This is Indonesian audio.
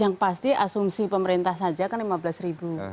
yang pasti asumsi pemerintah saja kan lima belas ribu